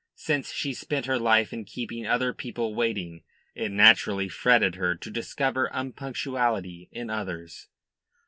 Since she spent her life in keeping other people waiting, it naturally fretted her to discover unpunctuality in others.